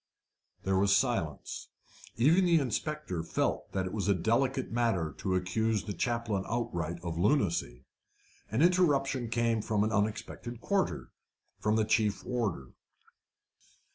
There was silence. Even the inspector felt that it was a delicate matter to accuse the chaplain outright of lunacy. An interruption came from an unexpected quarter from the chief warder.